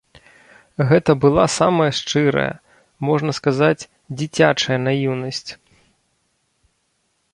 Гэта была самая шчырая, можна сказаць, дзіцячая наіўнасць.